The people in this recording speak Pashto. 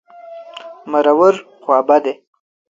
مرور... خوابدی.